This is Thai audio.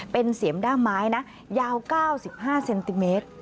เป็นเสียมด้ามไม้นะยาว๙๕เซนติเมตร